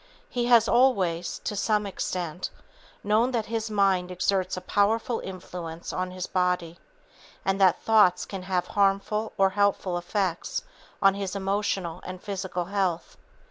He has always, to some extent, known that his mind exerts a powerful influence on his body, and that thoughts can have harmful or helpful effects on his emotional and physical health.